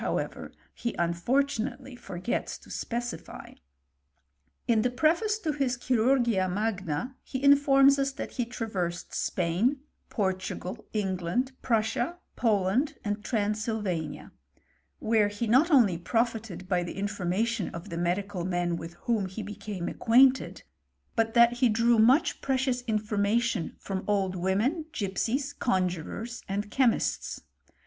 ever, he unfortunately forgets to specify. In the preface to his Chirurgia Magna, he infomu^ us that he traversed Spain, Portugal, England, Pruft * sia, Poland, and Transylvania; where he not onlj^ profited by the information of the medical men wit& ^bofH be became acquainted, but that he drew mueb pjrecioitg iafonxiation from old women, gipsies, con<r juffQfs, and chemists.